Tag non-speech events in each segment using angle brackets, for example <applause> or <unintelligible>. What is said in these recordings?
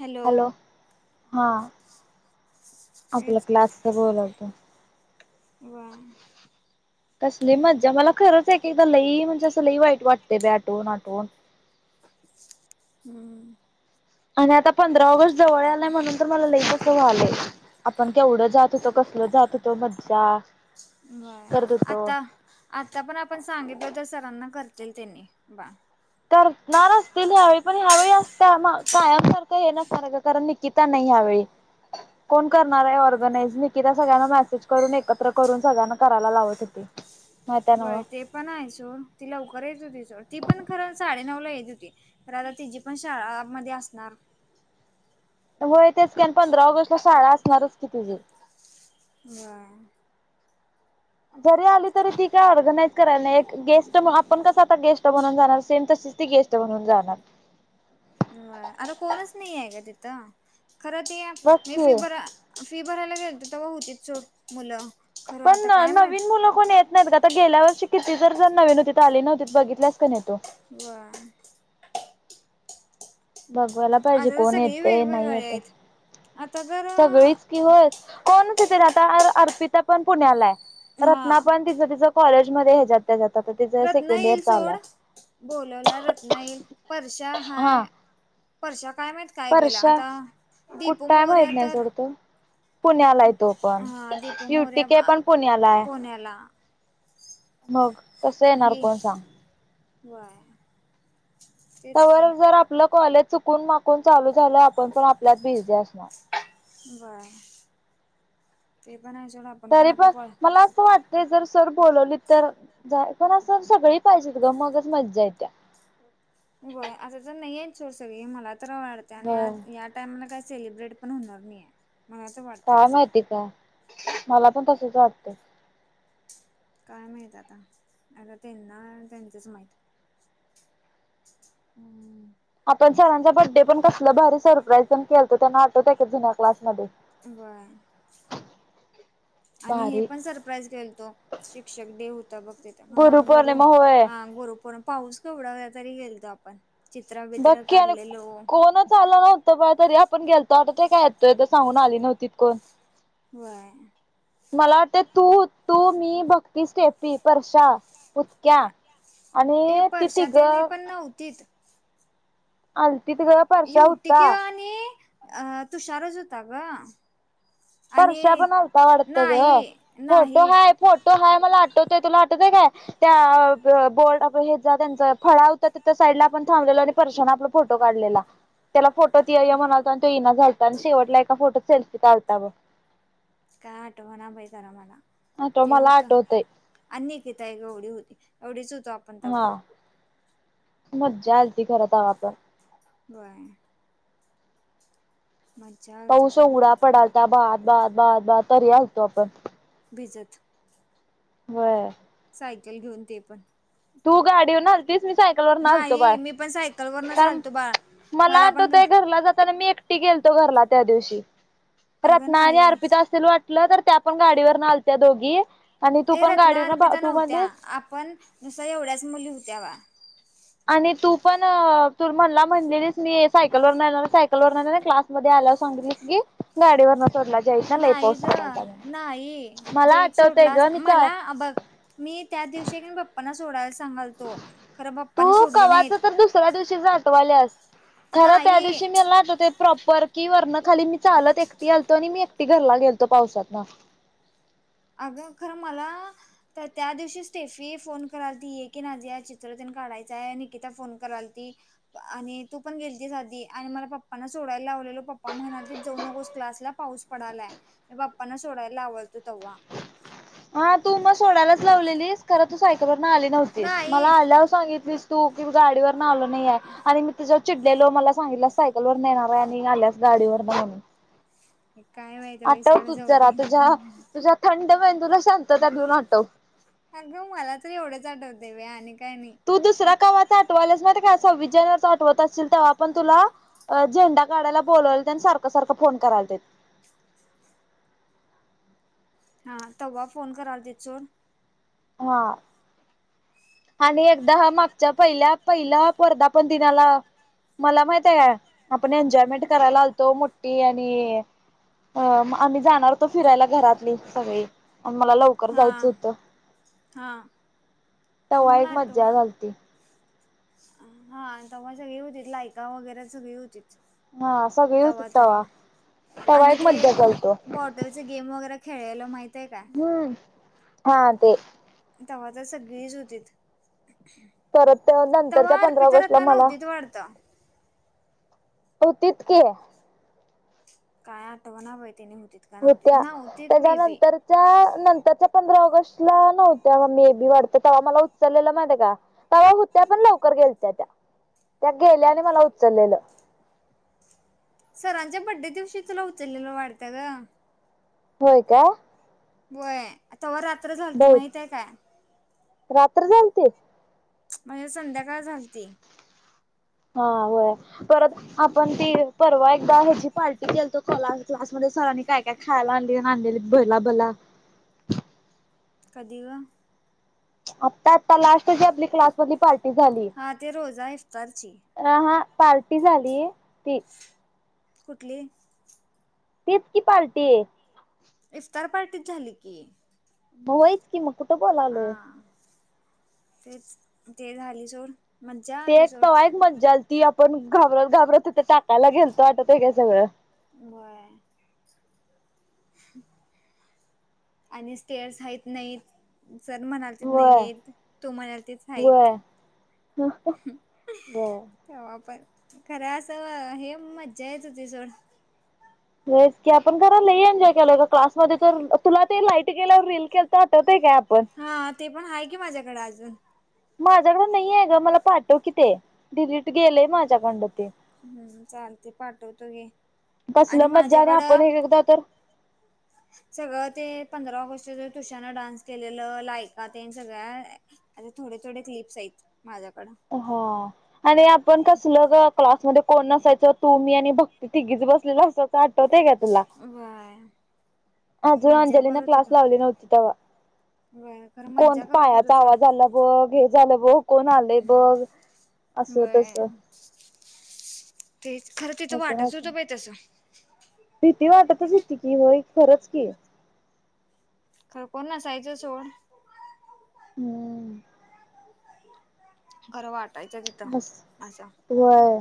Hello! आपलं class बोलवत व्हय. तसली मजा मला खरंच एक-एकदा लई म्हणजे असं लई वाईट वाटते बाई आठवुण आठवुण हम्म. आणि आता पंधरा ऑगस्ट जवळ यातलय म्हणून तर मला अस व्हालय. आपण केवढ जात होतो कसल जात होतो मज्जा. होय करत होतो आता आता पण आपण सांगितल तर सरांना करतील त्यांनी बा करणार असतील ह्यावेळी पण ह्यावेळी अस का कायम करता हे नसताना का कारण गीता नाही ह्या वेळी. कोण करणार आहे ऑर्गनाइज निकीता सगळ्यांना मेसेज करून एकत्र करून सगळ्यांना करायला लावत होती. <inaudible> होय ते पण आहे सोड ति लवकर येत होती सोड ती पण खर साडेनऊ ला येत होती. तर आता तीजी पण शाळामध्ये असणार. त्यामुळें तेच की आणि पंधरा ऑगस्टला शाळा असणारच की तिजी. होय. जरी आली तरी ती काय ऑर्गनाइज करायला नाही एक गेस्ट आपण कस गेस्ट म्हणून जाणार सेम तशीच ती गेस्ट म्हणून जाणार. आता कोणच नाही आहे ग तिथ खर ते मी बघकी फिबर फी भरायला गेलते तेव्हा होती सोड मुलं खरं पण आता काय माहित नवीन मुल कोन येत नाहीत ग आता गेल्या वर्षी किती जर जण नवीन होती तर आली नव्हती बघितल्यास का नाही तु. होय. बघवायला आता पाहिजे तर कोण सगळी येत नाही वेगवेगळी येतय आहेत आता सगळीच जर कि होय कोणच इथ आता अर्पिता पण पुण्यालाय हा रत्ना पण तिच तिच कॉलेज मध्ये ह्याच्यात त्याच्यात तिच सेकंड इयर चालू हाय. बोलवल्यावर रत्ना येईल परशा हाय हा परशा काय माहित काय गेल परशा आता दिपु कुठं आहे मोर्या माहित नाही तर सोड तो पुण्याला आहे तो पण हा दीप मोर्या युटीके पण पुण्याला आहे पुण्याला. मग कस येणार कोण सांग? होय. तवर जर आपल कॉलेज चुकून माकून चालू झाल आपण पण आपल्यात बिझी असणार. व्हय ते पण आहे सोड तरी आपलं पण कॉल मला अस वाटत ते जर सर बोलवली तर जाय पण अस सगळी पाहिजेत ग मगच मज्जा येत्या. होय अस तर नाही हायत सोड सगळी मला तर वाटते होय आणि या त्यांना काही सेलिब्रेट पण होणार नाहीे मला अस वाटत. काय माहिती का मला पण तसच वाटतय. काय माहीत आता आता त्यांना त्यांचच माहीत. आपण सरांच्या बड्डे पण कसला भारी सरप्राइज केलतो त्यांना आठवतय का जुन्या क्लासमध्ये. होय आणि हे भारी पण सरप्राईज घेलतो. शिक्षक डे होता बघ तीथ हा गुरु गुरुपौर्णिमा होय हा गुरु पौ--पाऊस थोडा वेळ तरी गेलतो आपण. चित्र बघ बित्र की आणि काढलेलो कोणच आल नाही. बा तरी आपण गेलतो आता ते काय येतो सांगून आली नव्हती कोण. <unintelligible> मला वाटते तू तू मी भक्ती स्टेपी परश्या. उतक्या आणि ति तिघ. तीच आलती ते घ ये उटिके आणि अ तुषार ज होता ग. परर्शा आणि पण आता वाटत ग नाही फोटो नाही हाय फोटो हाय मला आटवते तुला आटवते काय. त्या बोर्ड हे जा त्यांचा फळ होत त्या त्या साईडला आपण थांबलेलं आणि स्पर्शने आपला फोटो काढलेला. त्याला फोटो ति म्हणातो आणि तो येना झालत आणि शेवटला एका फोटो सेल्फी चालता ब काय आठव ना बाई क मला आठव मला तेवत. आठवतय अ एकिता एक एवढी होती एवढीच होतो. हा तवा मज्जा आल त घरात वापर. बरं. मज्जा आलती पाऊस सोड उडा पडालता बात बात बद बात तरी आलतो आपण. बिजत बर. सायकल घेऊन ते पण तू गाडीवरलतीस मी सायकल वर नलतो नाही बाय मी पण सायकल वरनच कारण आलतो बाळा मला तो पण ग- ते घरला जात. मी एकटी गेलतो घरला त्या दिवशी अगं रत्ना आणि नाही अर्पिता असल वाट. तर त्या पण गाडीवर नलत्या दोघी. आणि तू ए पण रत्ना गाडीवरन अर्पिता तू नव्हत्या म्हणलीस आपण नुस्या एवढ्याच मुली होत्या वा. आणि तू पण तू म्हणला म्हणलेलीस मी सायकल वर नाहीणार सायकल वर नाहीणार क्लास. आल्या सांगली की गाडी ववर न चोरला. नाही ज नाही मला जईट आठवतय सोडला ग मी चा मला बघ. मी त्या दिवशी पप्पांना सोडायला सांगालतो. तू कवा्हाच तर दुसऱ्या दिवशी जातवाल्यास खरं त्या नाही दिवशी मी लात होते. प्रॉपर कि वरण खाली मी चालत एकटी आलो आणि मी एकटी घरला गेलतो पावसात ना. अगं खरं मला. तर त्या दिवशी स्टेफी फोन कराला ती ये की नाहीझे या चित्र त्यांन काढायचं आहे निकिता फोन करायल ती. आणि तू पण गेल त आधी आणि मला पप्पांना सोडायला लावलेलो पप्पा म्हणाली जाऊ नकोस क्लासला पाऊस. पडालाय पप्पाांना सोडायला लावलतो तेव्हा. हा तू मग सोडायलाच लावलेलीस खर तू सायकलवर आली नव्हतीस मला नाही आल्यावर सांगितलीस. तू कि गाडीवरून आलो नाही आहे आणि मी तुझ्यावर चिडलेलो मला सांगितला. सायकल वर येणार आहे आणि आल्यास गाडीवर नाही. काय माहती वैसवड तूच जाऊ दे. जरा तुझ्या तुझ्या थंड ब तुला सां अगं मला तर एवढेच आठवते व आणि काय नाही. तू दुसऱ्या गवा आठवालास ना का असं विजयनाच आठवत असल तेव्हा आपण तुला. झेंडा काढायला बोलावला त्यांनी सारखं सारखं फोन कराल ते. हा तेव्हा फोन कराल ते चोड. हा. आणि एकदा मागच्या पहिल्या पहिला वर्धापण दिनाला. मला माहित आहे आपण एन्जॉयमेंट करायला आलतो मोठी आणि अग आम्ही जाणारतो फिरायला घरातली सगळी आणि मला लवकर. हा जायचं होतं हा. तव खरं मला एक आठवा मज्जा घलती. हा तेव्हा सगळी होतीच लायका वगैरे सगळी होतीच. हा सगळी होती तवा तरी तवा आणि एक ते मज्जा घालतो बोट तसं गेम वगैरे खेळायला माहित आहे का? हम्म हा ते. तव्हा तर सगळीच होती. परत तव नंतरच्या पंधरा अर्पीता ऑगस्टला रत्ना ना मला नव्हती त वाढतं. हो तितकेयं. काय आठवना बाई त्यांने निमितीत. होत्या त्याच्यानंतर नंतरच्या पंधरा नंतर ऑगस्ट ला नव्हत्या मे बी वाढत तेव्हा मला उचललेलं माहिती का? तवा होत्या पण लवकर गेलत त्या त्या गेल्या आणि मला उचललेलं. सरांच्या बर्थडे दिवशी तुला उचललेलं वाढत गं? होय का? व्हय तवा रात्र झालती माहित बहुत आहे काय? रात्र झालंती? म्हणजे संध्याकाळ झालंती. हा वय परत आपण ती परवा एकदा ह्याची पार्टी केलतो कला क्लासमध्ये सरांनी काय - काय खायला आणलीलेली भरला भला कधी वं? आता आता लास्ट जी आपली क्लास मधली पार्टी झाली. हां ते रोजा इफ्तारची. अ हा पार्टी झाली ती. कुठल तेच की पार्टी. इफ्तार पार्टीत झाली की. होईच की मग कुठं बोलालोय. हा तेच ते झाली जोन ते एक त एक मज्जा आली ती आपण घाबरत- घाबरत टाकायला गेलतो आटत त्याचा जवळ. व्हय. आणि स्टेअर्सहतआहेतं नाहीतं. जर म्हणाल तच नाही व्हय येत तो म्हणाल तेच आहेतत. ब <inaudible> ते तंव्हा पण खरं असं हे मज्जा येत हो ती सड. नाहीच की आपण घरा ल ये एन्जॉय केला. क्लासमध्ये तर तुला ते लाईट गेल्यावर रील केलंत आठवत्ये काय? आपण? हा ते पण आहे की माझ्याकडे अजून. माझ्याकडं नाही आहे ग मला पाठव कि ते डिलीट गेलेय माझ्याकंडं ते. हम्म चालते पाठवतो ग आणि कसलं माझ्याकडं ह सगळं ते पंधरा ऑगस्ट तुषान डान्स केलेलं लायकाात सगळ्या आताे थोडे थोडे क्लिप्स आहेत माझ्याकडं. हो आणि आपण कसलं गं क्लासमध्ये कोण असायच तू मी आणि भक्ती तिघीच बसलेलं अस आठवतय का्य तुला? व्हय. अजून मज्जा अंजलीने करत क्लास होतो लावली नव्हती तेव्हा व्हय खरं मज्जा कोणा करत होतो पायाचा सोड आवाज आलंय.. बघ हे झालं बघ कोण आलेय बघ अस व्हय तस. तेच खरं तिथं हसून वाटच हसून होतं बा तसं. भीती वाटतच होती की हो खरंच की. खरपोर नसाईचं सोड. हम्म. खरं वाटायचं तिथं असं. वय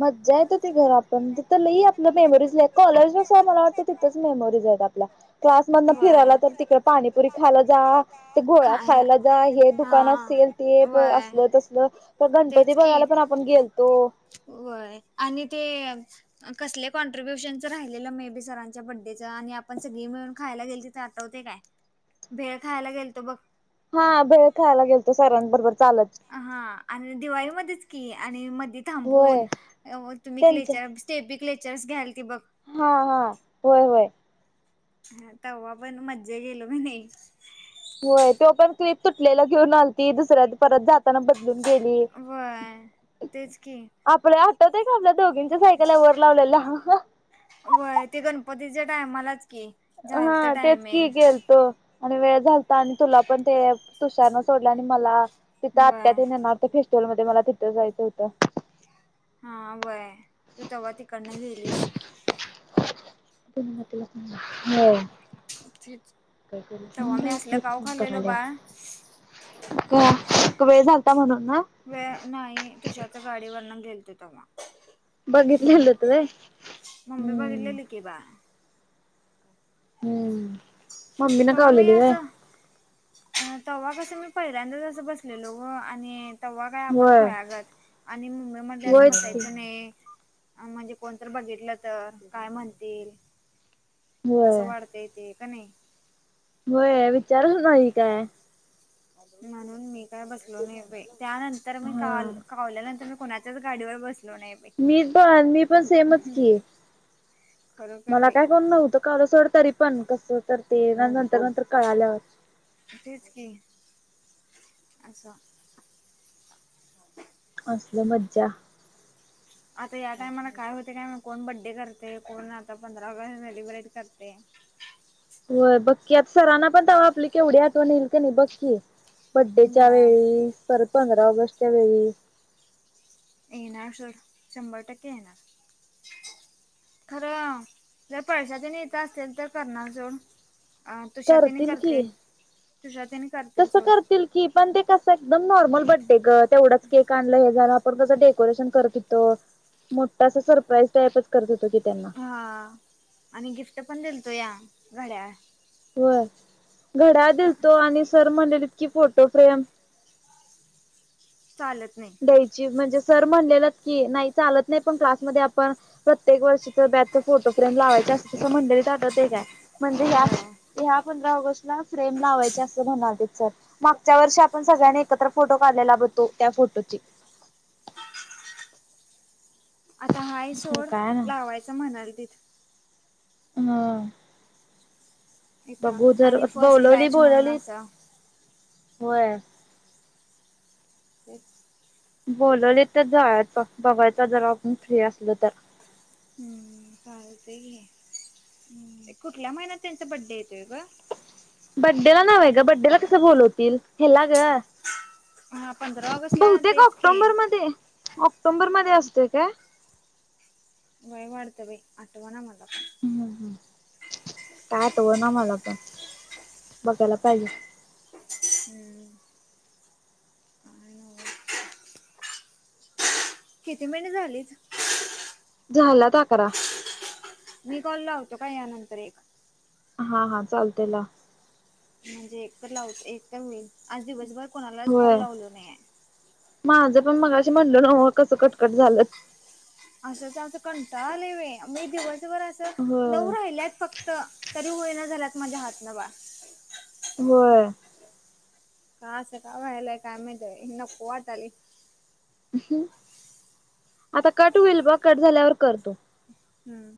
मज्जा येत हो त घर आपण तिथं लई - मेमोरीज कॉलेज ज मला वाटतं तिथंच मेमोरीज आहेत आपल्या क्लासमधन फिरायला तर तिकडे पाणीपुरी खायला जा ते गोळा वडा खायला जा हे दुकान असेल ते प असलं तसल. तर गणपती बघायला पण आपण गेलतो. वय आणि ते कसले पण कॅन्ट्रीबुशन राहिलं मे बी सरांच्या बड्डेचं आणि आपण सगळी मिळून खायला गेल तिथे आठवते काय? भेळ खायला गेल तो बघ. हा भेळ खायला गेलतो सरांबरोबर चालत. हा आणि दिवाळीमध्येच की आणि मध्येच थांबून होय तुम्ही त्यांच्या कलेच्या स्टेपिक लेक्चर्स घ्यायल ती बघ. हा हा होय होय. हा तेव्हा पण मज्जा गेलो मी नाही. होय तो पण क्लिप तुटलेला घेऊन आलती दुसऱ्यात परत जात ना बदलून गेली. व्हय तेच की आपल्या आठवत आहे का आपल्या दोघींच्या सायकल वरर लावलेल्या ह ह. व्ह्य ते गणपतीचे टायमालाच की झालत हा तेच कि टायमिंग गेलतो. आणि वेळ झालता आणि तुला पण ते तुषारन सोडलं आणि मला तिथं आत्या व्हय येण्या फेस्टिवल मध्ये मला तिथं जायचं होतं. हा व्हय तू तेव्हा तिकडनं गेलीस. लागल, हो. च तेव्हा मी असलं गाव फोन खाल्लेलो कराल्या बाळ. का वेळ झालता म्हणून ना? वेळ नाही तुषार च्या गाडी वरून घेलते तेव्हा. बघितलेलं म्हणून व्हाय. मम्मी बघितली ली की बाळ. हम्म मम्मी न तेव्हा मी कावलेली अस. व्हय अ तेव्हा कसं मी पहिल्यांदाचसं बसलेलो व आणि ते्हा काय आपण होय खुळ्यागत आणि मुंबईमध्ये असं होयच की बसायचं नाही. म्हणजे कोणीतर बघितलं तर काय म्हणतील? कसं होय वाढतं ते कनाय. होय विचारत. <unintelligible> म्हणून मी काय बसलो नाही त्यानंतर मी हा काल बोलल्यानंतर मी कोणाच्याच गाडीवर बसलो नाही. बाई मी पण मी पण सेमच की खरोखर मला बाई काय नव्हतं. क सोड तरी पण कस तर ते नंतर नंतर कळाल्याव. इ तेच की असं. कसली मजा. आता या टायमाला काय होते. काय माहित कोण बड्डे करते कोण आता पंधरा ऑगस्ट सेलिब्रेट करते. होय बघ की आता सरांना पण तवा आपली केवढी आठवण येईल क नाही बघ की. बड्डेच्या बर वेळी परत पंधरा ऑगस्टच्या वेळी. येणार सोड शंभर टक्के येणार. खरं जर पारश्या तेन इथं असतील तर करणार सोड. अ तुष्यातेनी करतील तुषातेनी करतील सोड. तील की पण ते कस एकदम नॉर्मल बड्डे ग तेवढंच केक आणलं हे झालं आपण कसं डेकोरेशन करत हू तो मोठ अस सरप्राईज टाइप करत होतो की त्यां हा आणि गिफ्ट पण दिलतोया, घड्याळ. व्हय घड्याळ क दिलतो आणि सर म्हणलेलीत की फोटो फ्रेम चालत नाही. द्यायची म्हणजे सर म्हणलेलत की नाही चालत नाही पण क्लासमध्ये आपण प्रत्येक वर्षी तर ब्याच फोटो फ्रेम लावायच असत तसं म्हंडळी आटवत काय म्हणजे ह्या बर ह्या पंधरा ऑगस्टला फ्रेम लावायचे असं म्हणालेतेत सर. मागच्या वर्षी आपण सगळ्यांनी एकत्र फोटो काढलेला ब तो त्या फोटोची. आता हाय हो सोड काय ना लावायचा म्हणालतीत. हम. इथं बघू जर आणि फर्स्ट बोलावली बॅच म्हणून बोलावली, असं. होय. तेच. बोलवले तर जायाच बघायच जर आपण फ्री असल तर. हम चालते घे ए कुठल्या महिन्यात त्यांचा बड्डे येतोय ग? बड्डेला नव्हे आहे ग बड्डेला कसं बोलवतील हे्ला ग हा पंधरा ऑगस्टला बहुतेक तेच की. ऑक्टोंबर मध्ये ऑक्टोंबर मध्ये असतोय काय? व्हय वाडत बाई आठवना मला पण. हम् हम् काय आठवना मला पण बघायला पाहिजे. हम्म. काय न्हवच. किती मिनिटं झालीत? झाल्यात अकरा. मी कॉल लावतो काय या नंतर एक. हा हा चालते लाव. म्हणजे एक तर लाव एक तर होईल आज दिवसभर कोणालाच कॉल होय लावलो नाहीये. माझं पण मगाशी म्हटलं न्हव कसं कटकट झालत. असंच अस कंटाळ आले बाई मी दिवसभर असं होय नऊ राहिल्यात फक त तरी होईना झाल्यात माझ्या हातनं बाळ. होय. का आस का वायला काय माहित बाई नको वाटालय. आता कट होईल बघ कट झाल्यावर कर तू. हम्म.